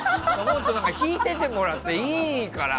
引いててもらっていいから！